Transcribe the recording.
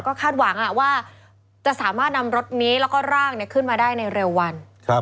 ก็คาดหวังว่าจะสามารถนำรถนี้แล้วก็ร่างขึ้นมาได้ในเร็ววัน